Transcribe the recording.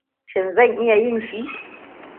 Shin zan iya yin shi?